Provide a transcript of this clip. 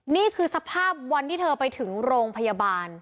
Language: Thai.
นี่คือสภาพวันที่เธอไปถึงโรงพยาบาล